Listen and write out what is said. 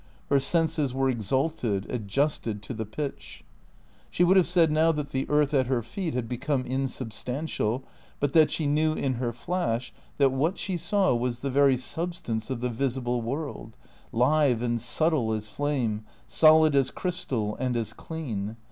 Her senses were exalted, adjusted to the pitch. She would have said now that the earth at her feet had become insubstantial, but that she knew, in her flash, that what she saw was the very substance of the visible world; live and subtle as flame; solid as crystal and as clean.